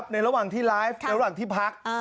ในระหว่างที่ไลฟ์ระหว่างที่พัก